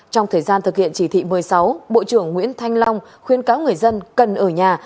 trong thời gian thực hiện chỉ thị một mươi sáu bộ trưởng nguyễn thanh long khuyên cáo người dân cần ở nhà